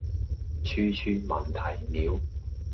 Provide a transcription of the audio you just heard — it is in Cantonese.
處處聞啼鳥